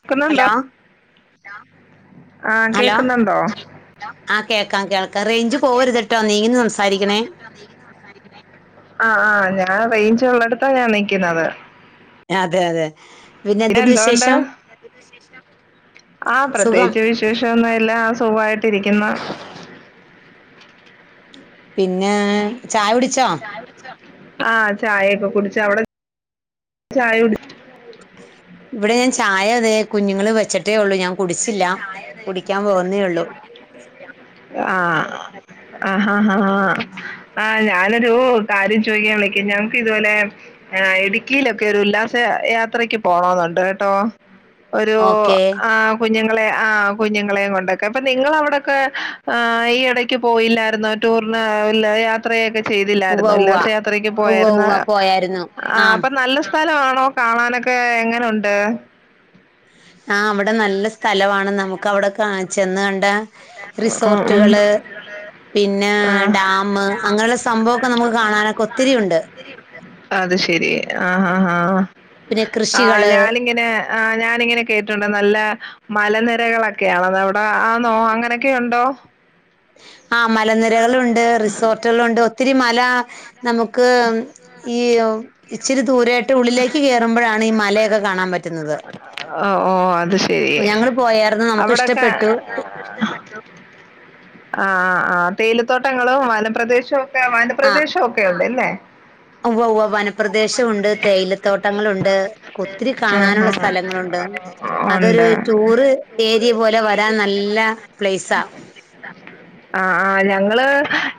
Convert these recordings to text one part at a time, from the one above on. കേക്കുന്നുണ്ടോ ഹലോ ആഹ് കേക്കുന്നുണ്ടോ? ആഹ് കേൾക്കാം കേൾക്കാം റേഞ്ച് പോവരുത്ട്ടോ നീങ്ങിനിന്ന് സംസാരിക്കണേ? ആഹ് ആ ഞാൻ റെയിഞ്ച് ഉള്ളടുത്താ ഞാൻ നിക്കുന്നത്. അതെ അതെ. പിന്നെ എന്തുണ്ട് എന്തോണ്ട് വിശേഷം എന്തുണ്ട് വിശേഷം ആ സുഖം പ്രത്യേകിച്ച് വിശേ വിശേഷം ഒന്നും ഇല്ല ആ സുഖമായിട്ടിരിക്കുന്നു. പിന്നെ ചായ കുടിച്ചോ? ആഹ് ചായൊക്കെ കുടിച്ചു അവിടെ ചായ കുടി. ഇവിടെ ഞാൻ ചായ തെ കുഞ്ഞുങ്ങൾ വെച്ചിട്ടേ ഉള്ളൂ ഞാൻ കുടിച്ചില്ല കുടിക്കാൻ പോകുന്നേയുള്ളൂ. [unintelligible] ആഹ് ആഹ് ആഹ് ആഹ് ഞാനൊരു കാര്യം ചോദിക്കാൻ വിളിക്ക ഞങ്ങക്ക് ഇതുപോലെ. ആഹ് ഇടുക്കിയിലൊക്കെ ഒരു ഉല്ലാസ യാത്രക്ക് പോണെന്നുണ്ട് കേട്ടോ? ഒരു ഓക്കേ ആ കുഞ്ഞുങ്ങളെ ആ കുഞ്ഞുങ്ങളെയും കൊണ്ടൊക്കെ അപ്പൊ നിങ്ങള അവിടൊക്കെ. ആ ഈ എടക്ക് പോയില്ലായിരുന്നോ ടൂറിന് [unintelligible] ത്രയൊക്കെ ഉവ്വ ചെയ്തില്ലായിരുന്നു ഉവ്വ ഉല്ലാസ യാത്രക്ക് ഉവ്വ പോയാരുന്നു ഉവ്വ പോയായിരുന്നു ആ അപ്പൊ നല്ല. സ്ഥലമാണോ കാണാനൊക്കെ എങ്ങനെയുണ്ട്? ആഹ അവിടെ നല്ല സ്ഥലമാണ് നമുക്ക് അവിടെ കാണി ചെന്ന് കണ്ട. ഉം ഉം റിസോർട്ടുകള്. പിന്നെ ആഹ് ഡാം അങ്ങനെയുള്ള സംഭവമൊക്കെ നമുക്ക് കാണാനൊക്കെ ഒത്തിരി ഉണ്ട്. അത് ശെരി ആഹ ആ പിന്നെ ആ ആ് കൃഷികള് ഞാനിങ്ങനെ. ആ് ഞാനിങ്ങനെ കേട്ടുണ്ട്. നല്ല മലനിരകളൊക്കെയാണെന്ന് അവിടെ ആ ണോ അങ്ങനെ? എന്തൊക്കെ ഉണ്ടോ? ആ മലനിരകളുണ്ട് റിസോർട്ടുകളുണ്ട് ഒത്തിരി മലാ. നമുക്ക് ഈ ഇച്ചിരി ദൂരായിട്ട് ഉള്ളിലേക്ക് കയറുമ്പോഴാണ് ഈ മലയൊക്കെ കാണാൻ പറ്റുന്നത്. ഓഹ് ഓഹ് അത് ശരി. ഞങ്ങള് പോയാർന്നു നമുക്ക് അവിടൊക്കെ ഇഷ്ടപ്പെട്ടു. ആ ആ ആ തേയിലത്തോട്ടങ്ങളും വനപ്രദേശവും ഒക്കെ വനപ്രദേശവും ഒക്കെ ഉണ്ട്. അല്ലേ? ഉവ്വ് ഉവ്വ് ഉവ്വ് വന. പ്രദേശമുണ്ട് തേയിലത്തോട്ടങ്ങളുണ്ട് ഒത്തിരി ആഹാ കാണാനുള്ള സ്ഥലങ്ങളുണ്ട്. അതൊരു ഉണ്ട് ടൂറ് ഏരിയ പോലെ വരാൻ നല്ല പ്ലേയ്സാ. ആഹ ആഹ ഞങ്ങള്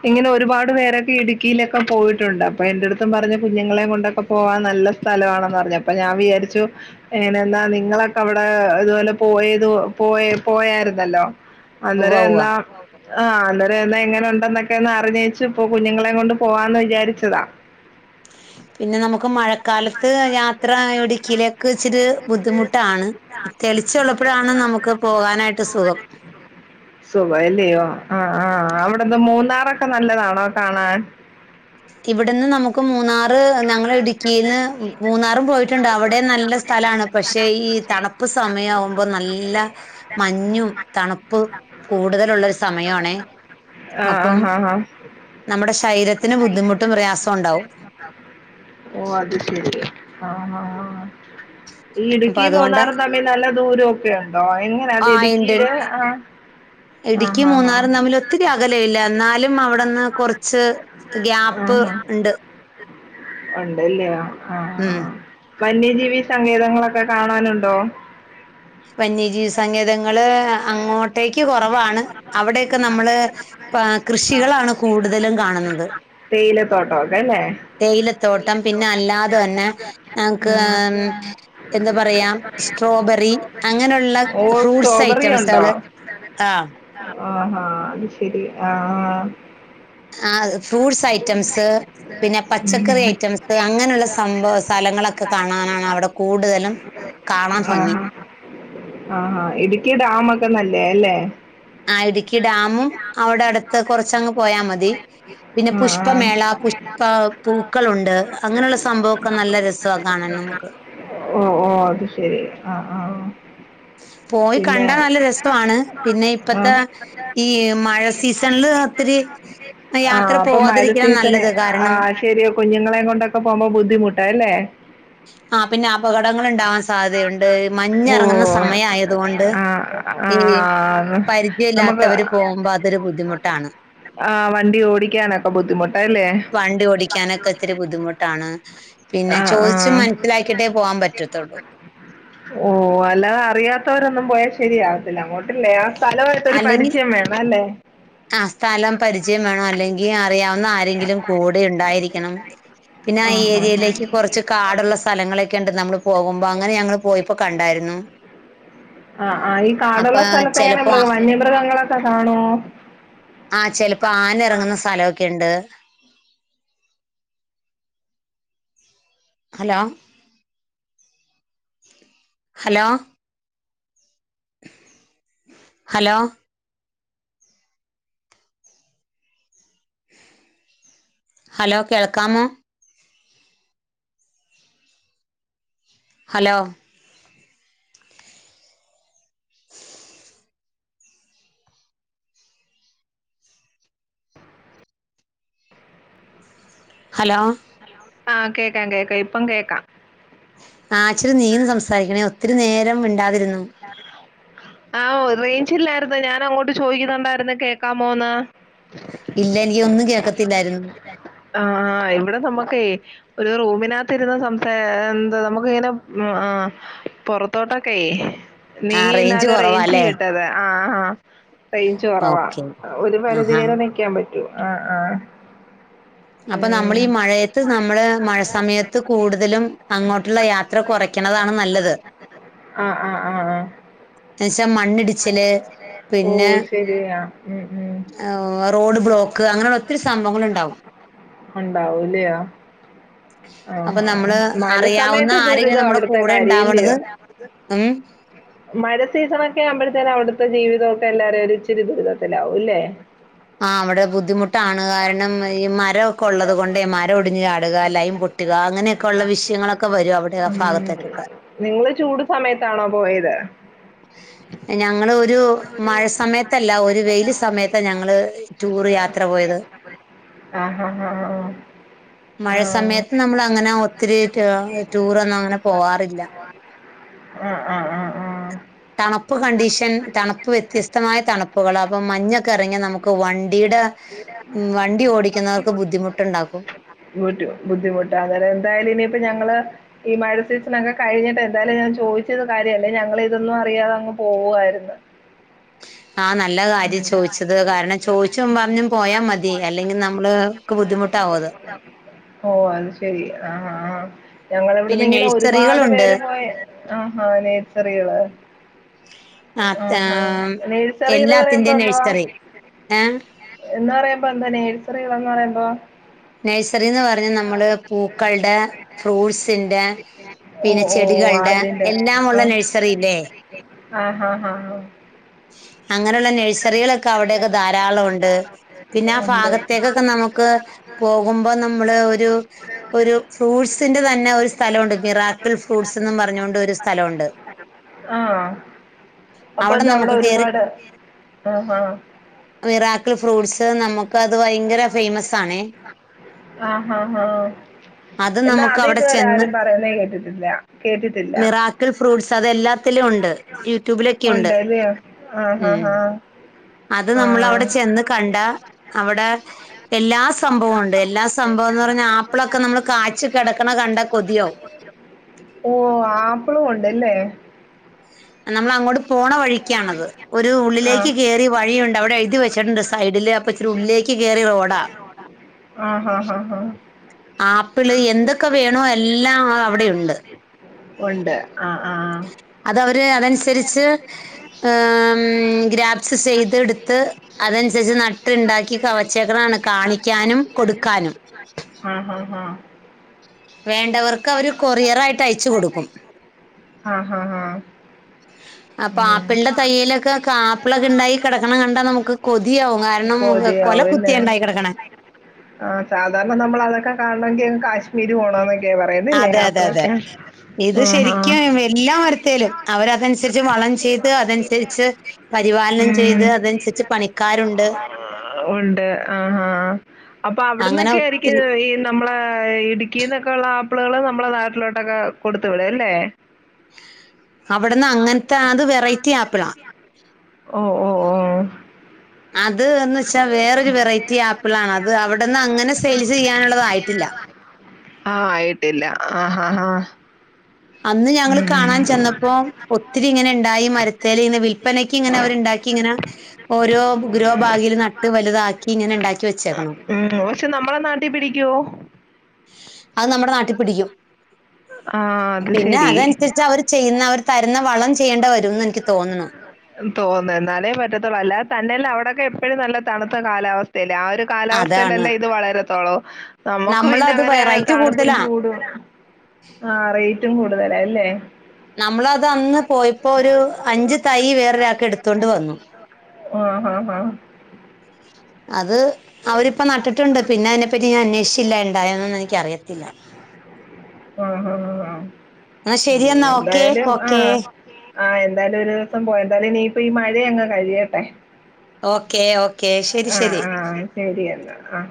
ഇങ്ങനെ ഒരുപാട് പേരൊക്കെ ഇടുക്കിയിലൊക്കെ പോയിട്ടുണ്ട്. അപ്പൊ എൻന്റെറ അടുത്തും പറഞ്ഞ കുഞ്ഞുങ്ങളെ കൊണ്ടൊക്കെ പോവാൻ നല്ല സ്ഥലമാണെന്ന് പറഞ്ഞു അപ്പൊ ഞാൻ വിചാരിച്ചു. എങ്ങനെന്നാ നിങ്ങളൊക്കെ അവിടെ ഇതുപോലെ പോയത് പോയ പോയായിരുന്നല്ലോ. ഉവ്വ അന്നേരം ഉവ്വ എല്ലാം ആഹ് അന്നേരം എന്ന എങ്ങനെ ഉണ്ടെന്നൊക്കെ ഒന്ന് അറിഞ്ഞേച്ചു ഇപ്പൊ കുഞ്ഞുങ്ങളെ കൊണ്ട് പോവാന്ന് വിചാരിച്ചതാ. പിന്നെ നമുക്ക് മഴ കാലത്ത് യാത്ര ഇടുക്കിലെക്കെ ഇച്ചിരി ബുദ്ധിമുട്ടാണ്. തെളിച്ചുള്ളപ്പോഴാണ് നമുക്ക് പോകാനായിട്ട് സുഖം. സുഖല്ലയോ ആഹ ആഹ് അവിടെന്ത മൂന്നാറൊക്കെ നല്ലതാണോ കാണാൻ ഇവിടുന്ന് നമുക്ക് മൂന്നാറ് ഞങ്ങള ഇടുക്കിന്ന് മൂന്നാറും പോയിട്ടുണ്ട് അവിടെ നല്ല സ്ഥലമാണ് പക്ഷേ ഈ തണു പ്പ് സമയംവുമ്പോ നല്ല മഞ്ഞും തണുപ്പും കൂടുതലുള്ളരു സമയ ആണേ ആഹ ആഹ ആഹ നമ്മുടെ ശരീരത്തിന് ബുദ്ധിമുട്ടും പ്രയാസം ഉണ്ടാവും. ഓ അത് ശരി ആഹ് ഹ ഈ അപ്പൊ ഇടുക്കി അതുകൊണ്ട് മൂന്നാറും തമ്മിൽ നല്ല ദൂരമൊക്കെ ഉണ്ടോ? എങ്ങനെ അത് ആ ഉണ്ട് ഇടുക്കിയില് ആ ആ ഇടുക്കി ആ ആ മൂന്നാറും തമ്മിൽ ഒത്തിരി അകല ഇല്ല എന്നാലും അവിടുന്ന് കുറച്ച് ഗ്യാപ്പ് ഉണ്ട് ഉണ്ടല്ലിയോ ആഹ ഉം വന്യജീവി സങ്കേതങ്ങളൊക്കെ കാണാനുണ്ടോ? വന്യജീവി സങ്കേതങ്ങള് അങ്ങോട്ടേക്ക് കുറവാണ് അവിടെയൊക്കെ നമ്മള് ആ കൃഷികളാണ് കൂടുതൽ തേയില തോട്ടക്കെ അല്ലേ തേയിലത്തോട്ടം പിന്നെ അല്ലാതെ തന്നെ ഞങ്ങക്ക് ഉം. എന്താ പറയാ സ്ട്രോബെറി അങ്ങനെയുള്ള ഫ്രൂട്ട്സ് ഐറ്റംസുകള് ആ ആഹാ, അത് ശരി ആഹ. ആഹ്. ഫ്രൂട്ട്സ് ഐറ്റംസ്, പിന്നെ ഉം. പച്ചക്കറി ഐറ്റംസ്, അങ്ങനെയുള്ള സംഭവ സ്ഥലങ്ങളൊക്കെ കാണാനാണ് അവിടെ കൂടുതലും കാണാൻ ഭങ്ങി. ആ, ആ, ഇടുക്കി ഡാമ ഒക്കെ നല്ലേ അല്ലേ? ആ, ഇടുക്കി ഡാമും അവിടെ അടു കുറച്ചങ്ങ് പോയാൽ മതി പിന്നെ ആ ആ പുഷ്പമേള പുഷ്പപു പുക്കളുണ്ട് അങ്ങനെയുള്ള സംഭവംക്കെ നല്ല രസമാണ് കാണാൻ നമുക്ക്. ഓ, ഓ, അത് ശരി ആ, ആ. [inaudible] പോയി പിന്നെ കണ്ടാ നല്ല രസമാണ്. പിന്നെ ആ. ഇപ്പത്തെ ഈ മഴ സീസണിൽ ത്രരി [unintelligible] ആ, അപ്പോ മഴ സീസണ് ആ ശരിയോ കുഞ്ഞുങ്ങളെ കൊണ്ടൊക്കെ പോകുമ്പോ ബുദ്ധിമുട്ടാ അല്ലേ. ആ പിന്നെ അപകടങ്ങൾ ഉണ്ടാവാൻ സാധ്യതയുണ്ട്. മഞ്ഞിറങ്ങുന്ന ഓ. സമയായതുകൊണ്ട് ആ, ആ, ഈ നമുക്ക് പരിചയമില്ലാത്തവര് പോകുമ്പോ അതൊരു ബുദ്ധിമുട്ടാണ്. ആ, വണ്ടി ഓടിക്കാനൊക്കെ ബുദ്ധിമുട്ടല്ലേ. വണ്ടി ഓടിക്കാനൊക്കെ ഒത്തിരി ബുദ്ധിമുട്ടാണ്. പിന്നെ ആ ആ ചോദിച് മനസ്സിലാക്കിയിട്ടേ പോകാൻ പറ്റത്തുള്ളൂ. ഓ, അല്ലാതെ അറിയാത്തവരൊന്നും പോയാ ശരിയാവത്തില്ല അങ്ങോട്ടില്ലെ. സ്ഥലമായിട്ടോരൂ പ അല്ലെങ്കിൽ രിചയം വേണം അല്ലേ.? ആ സ്ഥലം പരിചയം വേണം അല്ലെങ്കിൽ അറിയാവുന്ന ആരെങ്കിലും കൂടെ ഉണ്ടായിരിക്കണം പിന്നെ ആ ഏരി ഇതിലേക്ക് കുറച്ച് കാടുള്ള സ്ഥലങ്ങളൊക്കെ ഉണ്ട്. നമ്മളപോകുമ്പോ അങ്ങനെ ഞങ്ങൾ പോയപ്പോ കണ്ടായിരുന്നു. [inaudible] [inaudible] അ, അ, ഈ അപ്പൊ കാടുള്ള സ്ഥലത്ത് എങ്ങനെ ചിലപ്പോ മൃഗ ആ- വന്യമൃഗങ്ങളൊക്കെ കാണോ? ആചിലപ്പോ ആന ഇറങ്ങുന്ന സ്ഥലമൊക്കെുണ്ട്. ഹലോ. ഹലോ. ഹലോ. ഹലോ, കേൾക്കാമോ? ഹലോ ഹലോ ആ, കേകാം, കേ ക്കാം, ഇപ്പം കേക്കാം. ഇച്ചിരി നീന്ന് സംസാരിക്കണേ ഒത്തിരി നേരം മിണ്ടാതിരുന്നു. ആ, റേഞ്ചില്ലായിരുന്നു ഞാൻ അങ്ങോട്ട് ചോദിക്കുന്നുണ്ടായിരുന്നു കേൾക്കാമോന്ന്. ഇല്ല എനിക്ക് ഒന്നും കേക്കത്തില്ലായിരുന്നു. ആ, ആ, ഇവിടെ നമ്മുക്ക് ഒരു റൂമിനകത്ത് ഇരുന്ന സംസ എന്ത് നമുക്ക് ഇങ്ങനെ ഉം. ആ, പുറത്തോട്ടൊകെ. ആ നീങ്ങിന്നാലും കുറവാ റേഞ്ച് അല്ലേ കിട്ടത് ആ, ആ. റേഞ്ച് കുറവാ ഓക്കെ ഒരു ആഹാ പരിധിവരെ നിക്കാൻ പറ്റൂ ആ, ആ. അപ്പോ നമ്മൾ ഉം. ഈ മഴയത്ത് നമ്മൾ മഴ സമയത്ത് കൂടുതലും അങ്ങോട്ടുള്ള യാത്ര കുറയ്ക്കണതാണ് നല്ലത് ആ, ആ, ആ, ആ. എന്നുവെച്ചാൽ മണ്ണിടിച്ചില് ഓ, പിന്നെ ശരിയാ. റോഡ് ബ്ലോക്ക് അങ്ങനെയുള്ള ഒത്തിരി സംഭവങ്ങളൾ ഉണ്ടാവും. ഉണ്ടാവലയോ അപ്പൊ നമ്മള് മഴ അറിയാവുന്ന സമയത്ത് ദുരിതം ആരെങ്കിലുംനമ്മുടെ അവിടുത്തെ കൂടെ കാര്യം ഉണ്ടാവണത് അല്ലയോ? ഉം മഴ സീസണൊക്കെ ആവുമ്പഴത്തനും അവിടുത്തെ ജീവിതമൊക്കെ എല്ലാരും ഇച്ചിരി ദുരിതത്തിലാവും അല്ലേ ആഹ് അവിടെ ബുദ്ധിമുട്ടാണ് കാരണം ഈ മരമൊക്കെ ഉള്ളത് കൊണ്ടേ മരം ഒടിഞ് ചാടുക ലയിൻ പൊ പൊട്ടുക അങ്ങനെയൊക്കെയ ഉള്ള വിഷയങ്ങളൊക്കെ വരും അവിടെ ആ ഉം ഭാഗത്തേക്കൊക്കെ നിങ്ങള് ചൂട് സമയത്താണോ പോയത് ഞങ്ങള് ഒരു മഴ സമയത്തല്ല ഒരു വെയില് സമയത്ത ഞങ്ങള് ടൂറ് യാത്ര പോയത് ആഹ് ആഹ് ആഹ് മഴ ആഹ് സമയത്ത് നമ്മൾ അങ്ങനെ ഒത്തിരി ടൂ ടൂറൊന്നും അങ്ങനെ പോവാറില്ല ആഹ് ആഹ് ആഹ് ആഹ് തണുപ്പ് കണ്ടീഷൻ തണുപ്പ് വ്യത്യസ്തമായ തണുപ്പുകളാ അപ്പൊ മഞ്ഞൊക്കെ ഇറങ്ങി നമുക്ക് വണ്ടി വണ്ടിയുടെ [inaudible] ഉം വണ്ടി ഓടിക്കുന്നവർക്ക് ബുദ്ധിമുട്ടുണ്ടാക്കും. ഓടിക്ക [inaudible] ബുദ്ധിമുട്ട് എന്തായാലും ഇനിയിപ്പോ ഞങ്ങള് ഈ മഴസിസനക്കെ കഴിഞ്ഞിട്ട് എന്തായാലും ഞാൻ ചോദിച്ചത് കാര്യമല്ല ഞങ്ങള ഇതൊന്നും അറിയാതെങ്ങ പോവുവായിരുന്നു ആഹ് നല്ല കാര്യം ചോദിച്ചത് കാരണം ചോദിച്ചു പറഞ്ഞും പോയാ മതി അല്ലെങ്കിൽ നമ്മൾക്ക് ബുദ്ധിമുട്ടാവും അത് ഓഹ് അത് ശെരി ആഹ് ആഹ് ഞങ്ങൾ പിന്നെ ഇവിടുന്നെങ്ങിനെ ഒരുപാട് നഴ്സറികളുണ്ട് പേര് പോയ ആഹ് ഹാ നഴ്സറികള് ആഹ് അത് ഉം നേഴ്സറിന്ന് പറയുമ്പോ എല്ലാത്തിന്റെയും എന്തുവാ? നഴ്സറി ഏഹ് എന്ന് പറയുമ്പോ എന്താ നഴ്സറന്ന് പറയുമ്പോ നഴ്സറി എന്ന് പറഞ്ഞ നമ്മള് പൂക്കളുടെ ഫ്രൂട്സിന്റെ ഓ പിന്നെ ഓ ചെടികളുടെ അതിന്റെ എല്ലാ ഉള്ള ആഹ് നഴ്സറി ഇല്ലേ ആഹ് ആഹ് അങ്ങനെയുള്ള നഴ്സ നഴ്സറികളൊക്കെ അവിടൊക്കെ ധാരാളം ഉണ്ട് പിന്നെ ആ ഉണ്ട് പിന്നെ ആ ഭാഗത്തേക്കൊക്കെ ഭാഗത്തേക്ക്‌ ഒക്കെ നമുക്ക് പോകുമ്പോ നമ്മള് ഒരു ഒരു ഫ്രൂട്ട്സിന്റെ തന്നെ ഒരു സ്ഥലമുണ്ട് മിറാ ക്കിൾ ഫ്രൂട്ട്സ് എന്നും പറഞ്ഞുകൊണ്ട് ഒരു സ്ഥലവുണ്ട് ആഹ് അപ്പൊ അവിടെ ഇത് നമുക്ക് കേറി ഒരുപാട് ആഹ് ആഹ്. മിറാക്കിൽ ഫ്രൂട്ട്സ് നമുക്ക് അത് ഭയങ്കര ഫേമസ് ആണേ ആഹാ ഹാ അത് നമുക്ക് അവിടെ ചെന്ന് കേട്ടിട്ടില്ല. കേട്ടിട്ടില്ല. മിറാക്കിൾ ഫ്രൂട്ട്സ് അതെല്ലാത്തിലും ഉണ്ട് യൂട്യൂബിലൊക്കെയുണ്ട് ഉണ്ടല്ല്യോ? മം ആഹാഹാ. അത് നമ്മൾ അവിടെ ചെന്ന് കണ്ട അവിടെ എല്ലാ സ് സംഭവംഉണ്ട് എല്ലാ സംഭവം എന്ന് പറഞ്ഞാ ആപ്പിളൊക്കെ നമ്മള് കാച്ച് കിടക്കണ കണ്ട കൊതിയാകും ഓഹ് ആപ്പിളും ഉണ്ടല്ലേ നമ്മളങ്ങോട്ട് പോണ വഴിക്കാണത് ഒരു ഉള്ളിലേക്ക് ആഹ് [unintelligible] കേറി വഴിയുണ്ട് എഴുതി അവിടെ വെച്ചിട്ടുണ്ട് സൈഡില് അപ്പൊ ഇച്ചിരി എഴുതി ഉള്ളിലേക്ക് കേറി വെച്ചിട്ടുണ്ട് റോഡാ [unintelligible] റോഡ് ആണത് ആഹ് ഹാ ഹാ ആപ്പിള് എന്തൊക്കെ വേണോ എല്ലാം അവിടെയുണ്ട് ഉണ്ട് ആഹ് ആഹ്. അത് അവര് അതനുസരിച്ച് ഏഹ് ഗ്രാഫ്സ് ചെയ്തെടുത്ത് അതനുസരിച്ച് നട്ടുണ്ടാക്കി കവച്ചക്കളാണ് കാണിക്കാനും കൊടുക്കാനും ആഹ് ആഹ് വേണ്ടവർക്ക് അവർ കൊറിയറായിട്ട് അയച്ചു കൊടുക്കും ആ ഹ് ആ ആ അപ്പൊ ആപ്പിളന്റെ തൈ യിലൊക്കെ കാപ്പിളൊക്കെ ഉണ്ടായി കിടക്കണം കണ്ടാ നമുക്ക് കൊതിയാവും കാരണം കൊല കൊതിയാവും അല്ലേ? കുത്തിയ ഉണ്ടായി കിടക്കണെ ആ സാധാരണ നമ്മള അതക്കെ കാണമെങ്കിൽ കാശ്മീര് പോണം പറയുന്നല്ലേ അതെ അതെ അതെ ആപ്പളൊക്കെ ഇത് മം ആഹ് ശരിക്കും എല്ലാ വരത്തോലും അവരതനുസരിച്ച് വളം ചെയ്ത് അതനു രിച്ച് പരിപാലനം ഉം. ചെയ്ത് അതനുസരിച്ച് പണിക്കാരുണ്ട്. ആ അപ്പൊ അങ്ങനെ അവിടന്നൊക്കെ [unintelligible] ഒത്തിരി ഇത് നമ്മളെ ഇടുക്കിന്നൊക്കെ ഉള്ള ആപ്പിളുകള് നമ്മളെ നാട്ടിലോട്ടൊക്കെ കൊടുത്തു വിടു അല്ലേ അവിടുന്ന് അങ്ങനത്തെത് അത് വെറൈ ഓ ഓ ഓ അത് എന്ന് വെച്ചാ വേറരു വെറൈറ്റി ആപ്പിൾ ആണ് അത് അവിടന്ന് അങ്ങനെ സെയിൽ ചെയ്യാനുള്ളതായിട്ടില്ല. ആഹ ആയിട്ടില്ല ആ ഹ ഹ അന്ന് ഞങ്ങള് കാണാൻ ചെന്നപ്പോ ഒത്തിരി ഇങ്ങനെ ഉണ്ടായി മരത്തൽ ഇെ വിൽപ്പനക്ക് ഇങ്ങനെ അവരുണ്ടാക്കി ഇങ്ങനെ ഓരോ [unintelligible] നട്ട് വലുതാക്കി ഇങ്ങനെ ഉണ്ടാക്കി വെച്ചേക്കണം ഉം. പക്ഷെ നമ്മളെ നാട്ടിൽ പിടിക്കുവോ അത് നമ്മുടെ നാട്ടിൽ പിടിക്കും. ആഹ് അത് പിന്നെ ശരി. അതനുസരിച്ച് അവർ ചെയ്യുന്ന അവർ തരുന്ന വളം ചെയ്യേണ്ട വരുംന്ന് എനിക്ക് തോന്നുന്നു തോന്നുന്നു എന്നാലേ പറ്റത്തുള്ളൂ അല്ലതെ തന്നല്ല അവിടൊക്കെ എപ്പോഴും നല്ല തണുത്ത കാലാവസ്ഥയില്ലേ ആ ഒരു അതാണ് കാലാവസ്ഥയിലല്ല ഇത് വളരത്തോളോ നമുക്ക് പിന്നെ നമ്മളത് അങ്ങനെ റേറ്റ് തണുപ്പും കൂടുതലാ ചൂടും ആഹ റൈറ്റും കൂടുതലല്ലേ നമ്മള അത്ന്ന് പോയപ്പോൊ ഒരു അഞ്ച് തൈ വേറൊരാക്കെ എടുത്തോണ്ട് വന്നു ആ ഹ് ആ ആ അത് അവരിപ്പം നട്ടിട്ടുണ്ട് പിന്നെ അതിനെപ്പറ്റി ഞാൻ അന്വേഷിച്ചില്ല ഉണ്ടായൊന്നും എനിക്ക അറിയത്തില്ല ആഹ ആ എന്നാ ആ ശരിയെന്നാ ഓക്കെ എന്തായാലും ആഹ ഓക്കെ ആ എന്തായാലും ഒരു ദിവസം പോയ എന്തായാലും ഇനിയിപ്പ ഈ മഴയ അങ്ങ് കഴിയട്ടെ ഓക്കെ ഓക്കെ ശരി ആഹ ശരി ആഹ ശരിയെന്നാ ആഹ